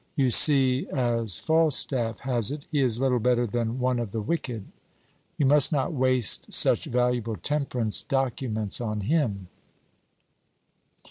You see, as Falstaff has it, 'he is little better than one of the wicked.' You must not waste such valuable temperance documents on him."